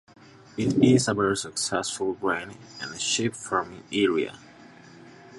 It is a very successful grain and sheep farming area.